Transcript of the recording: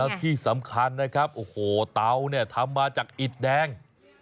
แล้วที่สำคัญนะครับโอ้โหเตาเนี่ยทำมาจากอิดแดง